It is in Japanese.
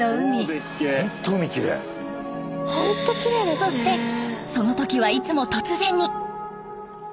そしてその時はいつも突然に！